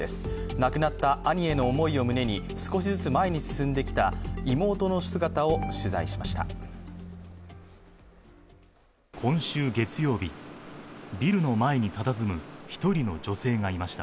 亡くなった兄への思いを胸に少しずつ前に進んできた妹の姿を取材しました。